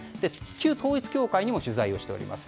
旧統一教会にも取材をしております。